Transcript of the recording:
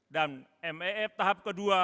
dan mef tahap dua